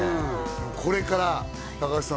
これから高橋さん